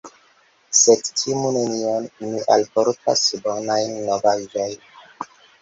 Sed timu nenion, mi alportas bonajn novaĵojn.